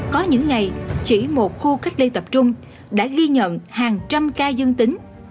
có những ngày chỉ một khu cách ly tập trung đã ghi nhận hàng trăm ca dân tính